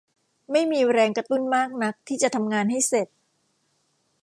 ไม่มีแรงกระตุ้นมากนักที่จะทำงานให้เสร็จ